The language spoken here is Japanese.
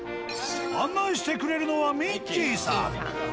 案内してくれるのはミッキーさん。